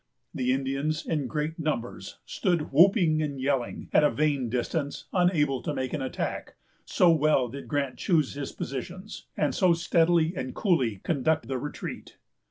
The Indians, in great numbers, stood whooping and yelling, at a vain distance, unable to make an attack, so well did Grant choose his positions, and so steadily and coolly conduct the retreat.